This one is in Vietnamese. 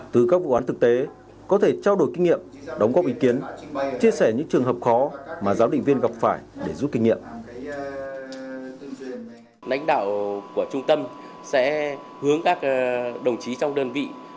từ các vụ án thực tế có thể trao đổi kinh nghiệm đóng góp ý kiến chia sẻ những trường hợp khó mà giám định viên gặp phải để giúp kinh nghiệm